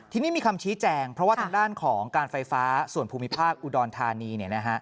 ทีนี้มีคำชี้แจงเพราะว่าทางด้านของการไฟฟ้าส่วนภูมิภาคอุดรธานี